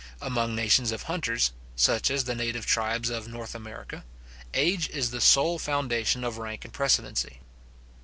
Among nations of hunters, such as the native tribes of North America, age is the sole foundation of rank and precedency.